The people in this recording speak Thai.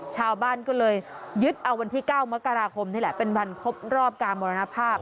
ชาวบ้านก็เลยยึดเอาวันที่๙มกราคมนี่แหละเป็นวันครบรอบการมรณภาพ